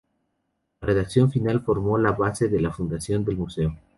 La redacción final formó la base de la fundación del museo.